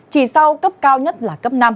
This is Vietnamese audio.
chỉ sau cấp cao nhất là cấp năm